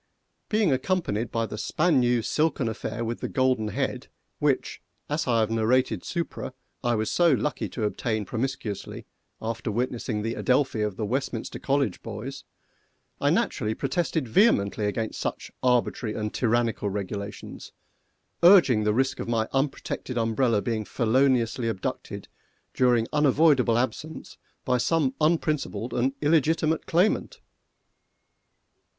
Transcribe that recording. Being accompanied by the span new silken affair with the golden head, which, as I have narrated supra, I was so lucky to obtain promiscuously after witnessing the Adelphi of the Westminster college boys, I naturally protested vehemently against such arbitrary and tyrannical regulations, urging the risk of my unprotected umbrella being feloniously abducted during unavoidable absence by some unprincipled and illegitimate claimant.